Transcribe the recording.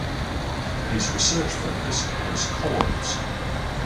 His research focus was colloids.